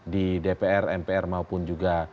di dpr mpr maupun juga